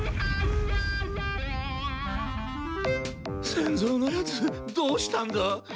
仙蔵のヤツどうしたんだ？